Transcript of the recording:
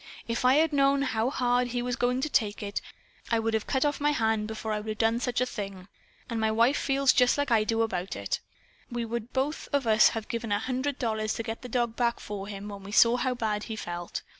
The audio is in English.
If I had known how hard he was going to take it, I would of cut off my hand before I would of done such a thing. And my wife feels just like I do about it. We would both of us have given a hundred dollars to get the dog back for him, when we saw how bad he felt.